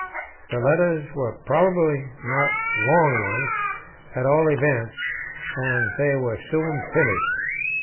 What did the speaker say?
The letters were probably not very long ones; at all events, they were soon finished.